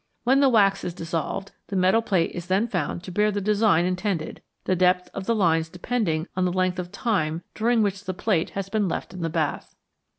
When the wax is dissolved, the metal plate is then found to bear the design intended, the depth of the lines depending on the length of time during which the plate has been left in the bath.